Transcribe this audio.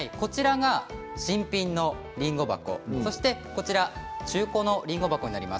新品のりんご箱そして隣が中古のりんご箱になります。